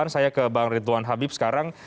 saya ke bang ridwan habib sekarang